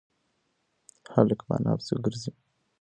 هلک پر انا پسې گرځي.